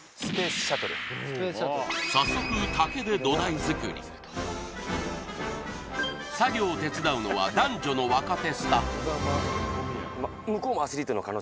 早速作業を手伝うのは男女の若手スタッフ